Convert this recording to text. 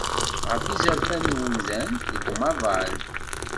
Ɣef yizerfan n umdan, deg umaḍal.